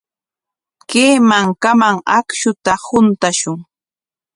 Kay mankaman akshuta huntashun.